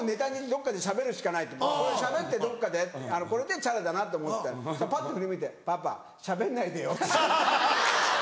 どっかでしゃべるしかないと思ってしゃべってどっかでこれでチャラだなと思ってたらぱっと振り向いて「パパしゃべんないでよ」っつったのね。